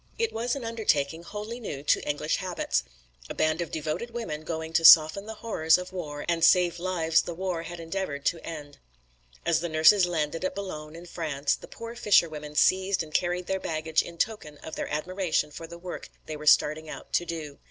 It was an undertaking wholly new to English habits a band of devoted women going to soften the horrors of war and save lives the war had endeavoured to end. As the nurses landed at Boulogne in France, the poor fisherwomen seized and carried their baggage in token of their admiration for the work they were starting out to do.